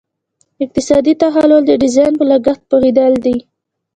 اقتصادي تحلیل د ډیزاین په لګښت پوهیدل دي.